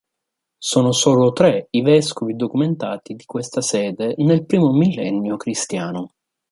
Sono solo tre i vescovi documentati di questa sede nel primo millennio cristiano.